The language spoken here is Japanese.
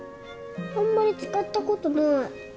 あんまり使ったことない。